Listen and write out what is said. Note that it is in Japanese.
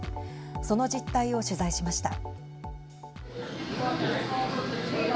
その実態を取材しました。